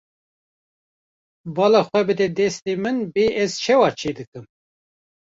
Bala xwe bide destê min bê ez çawa çêdikim.